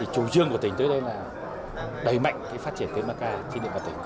chủ trương của tỉnh tới đây là đẩy mạnh phát triển cây mắc ca trên địa bàn tỉnh